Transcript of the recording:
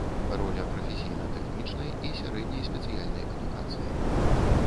Роля прафесійна-тэхнічнай і сярэдняй спецыяльнай адукацыі.